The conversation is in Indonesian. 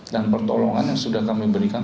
dan pertolongan yang sudah kami berikan